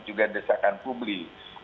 juga desakan publis